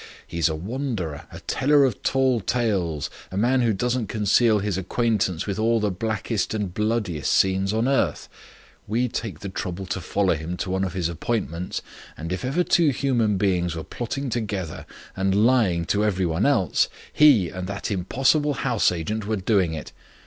He's a wanderer, a teller of tall tales, a man who doesn't conceal his acquaintance with all the blackest and bloodiest scenes on earth. We take the trouble to follow him to one of his appointments, and if ever two human beings were plotting together and lying to every one else, he and that impossible house agent were doing it.